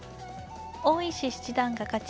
大石七段が勝ち